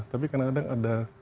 tapi kadang kadang ada